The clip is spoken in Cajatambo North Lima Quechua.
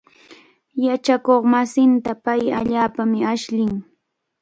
Yachakuqmasinta pay allaapami ashllin.